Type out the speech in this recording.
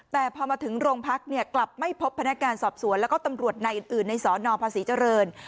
แต่พอมาถึงโรงพักเนี่ยกลับไม่พบพนักงานสอบสวนแล้วก็ตำรวจนายอื่นในสนภาษีเจริญ